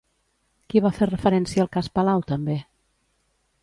Qui va fer referència al cas Palau també?